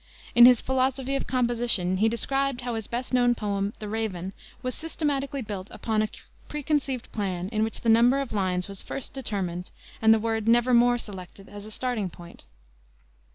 In his Philosophy of Composition he described how his best known poem, the Raven, was systematically built up on a preconceived plan in which the number of lines was first determined and the word "nevermore" selected as a starting point.